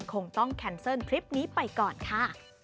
คงต้องแคนเซิลคลิปนี้ไปก่อนค่ะ